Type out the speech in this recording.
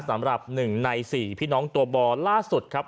สำหรับ๑ใน๔พี่น้องตัวบอลล่าสุดครับ